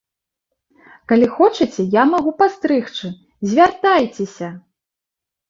Калі хочаце, я магу пастрыгчы, звяртайцеся!